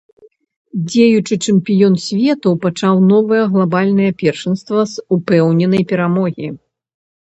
Дзеючы чэмпіён свету пачаў новае глабальнае першынства з упэўненай перамогі.